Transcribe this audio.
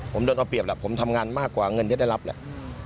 ผมโดนเอาเปรียบแหละผมทำงานมากกว่าเงินที่ได้รับแหละ